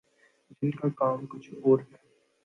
جن کا کام کچھ اور ہے۔